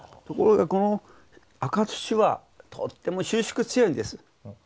ところがこの赤土はとっても収縮強いんです。